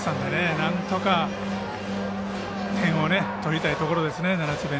なんとか点を取りたいところですね。